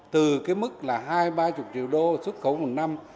từ cái mức là hai ba mươi triệu đô xuất khẩu một năm